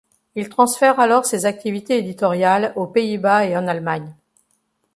Il transfère alors ses activités éditoriales aux Pays-Bas et en Allemagne.